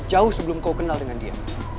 jauh sebelum kau kenal dengan dia